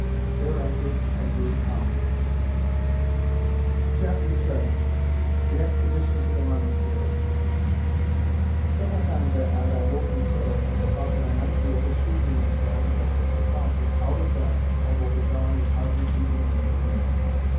Thereafter I grew calmer. VII. THE EXPEDITION TO THE MONASTERY Several times that night I woke in terror at the thought that I might be oversleeping myself, and by six o'clock was out of bed, although the dawn was hardly peeping in at the window.